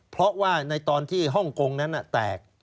เพราะว่าในตอนที่ฮ่องกงนั้นแตก